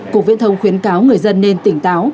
cục viễn thông khuyến cáo người dân nên tỉnh táo